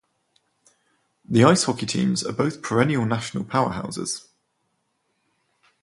The ice hockey teams are both perennial national powerhouses.